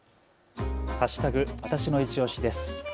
わたしのいちオシです。